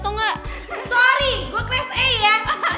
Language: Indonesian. sorry gue kelas e ya